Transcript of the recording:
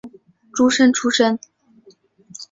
诸生出身。